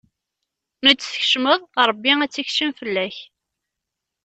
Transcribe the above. Mi tt-tkemceḍ, Ṛebbi ad tt-ikmec fell-ak.